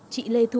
chị lê thu hà